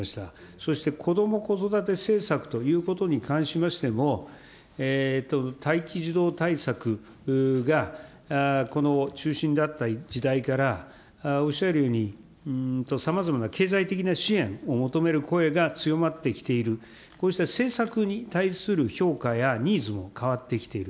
そしてこども・子育て政策ということに関しましても、待機児童対策が中心であった時代から、おっしゃるように、さまざまな経済的な支援を求める声が強まってきている、こうした政策に対する評価やニーズも変わってきている。